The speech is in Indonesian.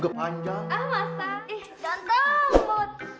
bukan dia orangnya bos